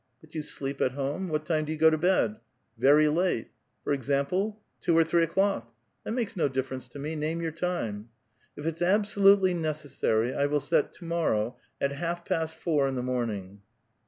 '' But you sleep at home ? What time do you go to bed ?"'^ Very late." '* For example?" *' Two or three o'clock." *' That makes no difference to me ; name your time." *^ If it's absolutely necessary, I will set to nionow, at half past four in the morning."